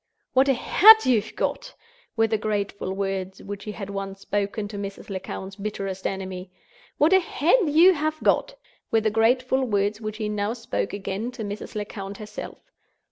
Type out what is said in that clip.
"What a head you have got!" were the grateful words which he had once spoken to Mrs. Lecount's bitterest enemy. "What a head you have got!" were the grateful words which he now spoke again to Mrs. Lecount herself.